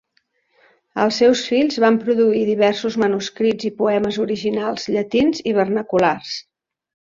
Els seus fills van produir diversos manuscrits i poemes originals llatins i vernaculars.